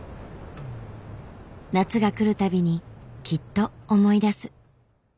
夏が来るたびにきっと思い出す。